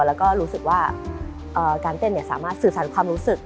แล้วก็รู้สึกว่าการเต้นสามารถสื่อสารความรู้สึก